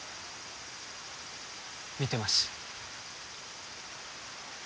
見てます。